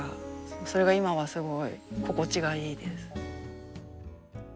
それが今はすごい心地がいいです。